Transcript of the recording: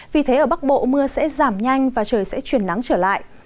vì thế ở bắc bộ mưa sẽ giảm nhanh và trời sẽ chuyển nắng trở lại